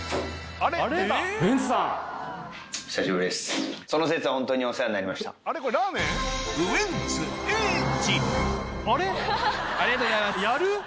ありがとうございます。